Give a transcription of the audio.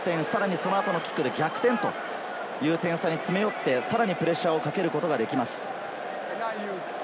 その後のキックで逆転という点差に詰め寄ってさらにプレッシャーをかけることができます。